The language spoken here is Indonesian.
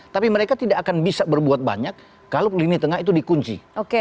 tapi mereka tidak akan bisa berbuat banyak kalau lini tengah itu dikunci